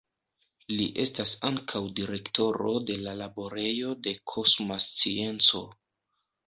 Li estas ankaŭ direktoro de la Laborejo de Kosma Scienco.